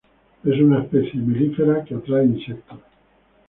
Es una especie melífera que atrae insectos.